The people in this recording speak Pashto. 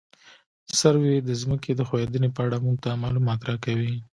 سروې د ځمکې د ښوېدنې په اړه موږ ته معلومات راکوي